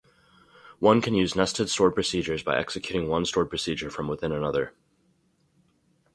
One can use nested stored procedures by executing one stored procedure from within another.